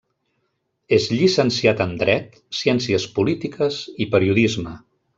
És llicenciat en Dret, Ciències Polítiques i Periodisme.